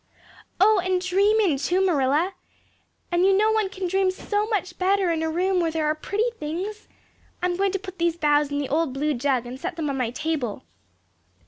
"Oh, and dream in too, Marilla. And you know one can dream so much better in a room where there are pretty things. I'm going to put these boughs in the old blue jug and set them on my table."